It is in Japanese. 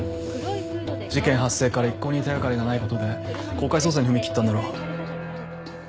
事件発生から一向に手掛かりがないことで公開捜査に踏み切ったんだろう。